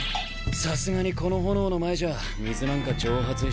さすがにこの炎の前じゃ水なんか蒸発しちまう。